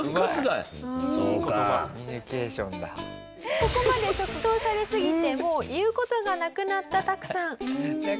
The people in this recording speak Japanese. ここまで即答されすぎてもう言う事がなくなった拓さん。